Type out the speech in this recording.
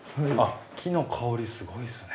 木の香りすごいですね。